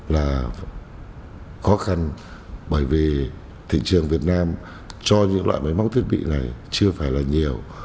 là khó khăn bởi vì thị trường việt nam cho những loại máy móc thiết bị này chưa phải là nhiều